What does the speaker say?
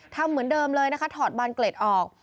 ทำเหมือนเดิมเลยนะคะถอดบานเกล็ดออก